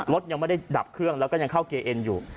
รถยังไม่ได้ดับเครื่องแล้วก็ยังเข้าเกเอ็นอยู่